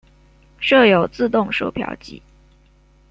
设有自动售票机。